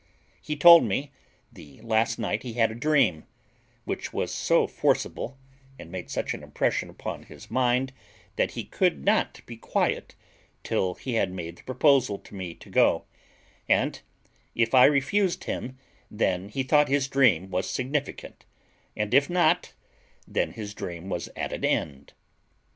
He told me, the last night he had a dream, which was so forcible, and made such an impression upon his mind, that he could not be quiet till he had made the proposal to me to go; and if I refused him, then he thought his dream was significant; and if not, then his dream was at an end.